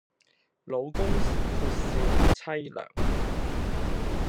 老公撥扇妻涼